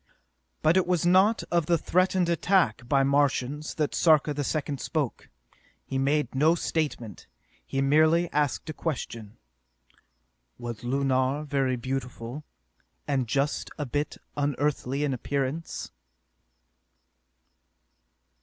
But it was not of the threatened attack by Martians that Sarka the Second spoke. He made no statement. He merely asked a question: "Was Lunar very beautiful, and just a bit unearthly in appearance?"